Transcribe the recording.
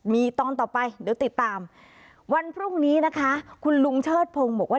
มีตอนต่อไปเดี๋ยวติดตามวันพรุ่งนี้นะคะคุณลุงเชิดพงศ์บอกว่า